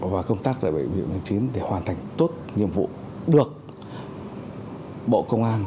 và công tác tại bệnh viện một mươi chín để hoàn thành tốt nhiệm vụ được bộ công an